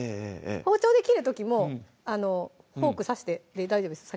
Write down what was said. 包丁で切る時もフォーク刺して大丈夫です